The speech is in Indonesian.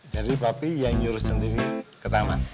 jadi papi yang nyurus sendiri ke taman